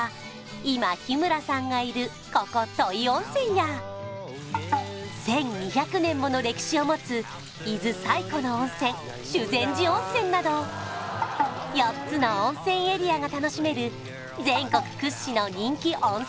今日村さんがいるここ土肥温泉や１２００年もの歴史をもつ伊豆最古の温泉修善寺温泉など４つの温泉エリアが楽しめる全国屈指の人気温泉